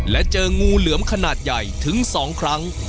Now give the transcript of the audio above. และเจองูเหลือมขนาดใหญ่ถึง๒ครั้ง